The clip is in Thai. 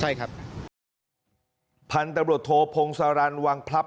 ใช่ครับผ่านตำรวจโทษโพงซะรันวังพลับ